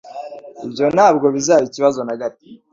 Ibyo ntabwo bizaba ikibazo na gato